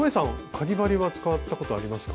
かぎ針は使ったことありますか？